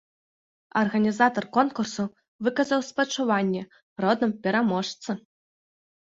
Арганізатар конкурсу выказаў спачуванні родным пераможцы.